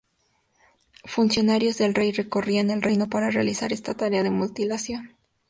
Funcionarios del rey recorrían el reino para realizar esta tarea de mutilación.